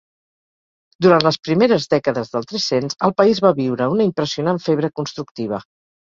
Durant les primeres dècades del tres-cents, el país va viure una impressionant febre constructiva.